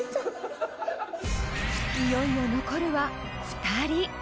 ［いよいよ残るは２人］